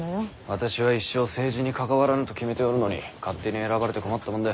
私は一生政治に関わらぬと決めておるのに勝手に選ばれて困ったもんだ。